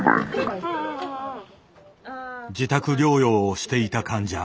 自宅療養をしていた患者。